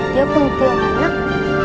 dia pun ke anak